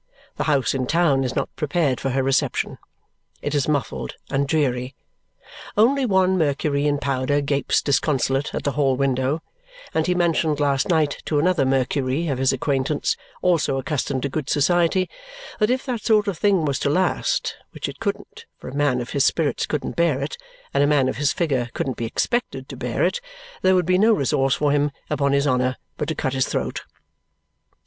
The house in town is not prepared for her reception. It is muffled and dreary. Only one Mercury in powder gapes disconsolate at the hall window; and he mentioned last night to another Mercury of his acquaintance, also accustomed to good society, that if that sort of thing was to last which it couldn't, for a man of his spirits couldn't bear it, and a man of his figure couldn't be expected to bear it there would be no resource for him, upon his honour, but to cut his throat!